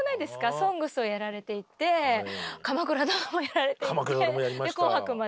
「ＳＯＮＧＳ」をやられていて「鎌倉殿」もやられていて。